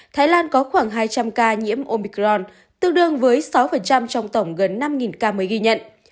thái lan có khoảng hai trăm linh ca nhiễm omicron tương đương với sáu trong tổng gần năm ca mới ghi nhận